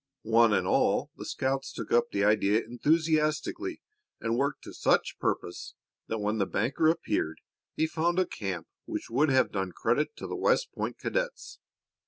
One and all the scouts took up the idea enthusiastically and worked to such purpose that when the banker appeared he found a camp which would have done credit to the West Point cadets.